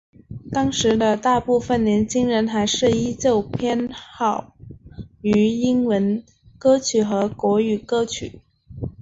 当时的大部份年轻人还是依旧偏好于英文歌曲和国语歌曲。